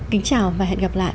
kính chào và hẹn gặp lại